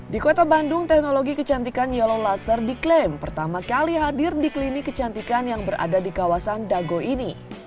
di kota bandung teknologi kecantikan yellow laser diklaim pertama kali hadir di klinik kecantikan yang berada di kawasan dago ini